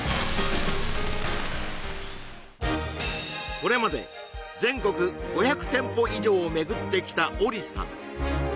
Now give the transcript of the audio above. これまで全国５００店舗以上を巡ってきた小里さん